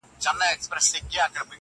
له پیشو یې ورته جوړه ښه نجلۍ کړه-